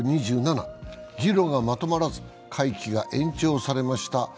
議論がまとまらず、会期が延長されました。